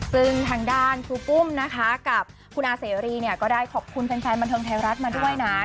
ซึ่งทางด้านครูปุ้มนะคะกับคุณอาเสรีเนี่ยก็ได้ขอบคุณแฟนบันเทิงไทยรัฐมาด้วยนะ